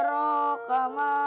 ya udah sempet